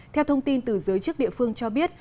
theo thông tin từ giới chức địa phương cho biết